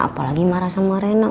apalagi marah sama rena